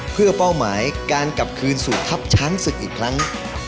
เพื่อเป้าหมายการกลับคืนสู่ทัพช้างศึกอีกครั้ง